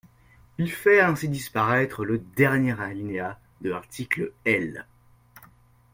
Il fait ainsi disparaître le dernier alinéa de l’article L.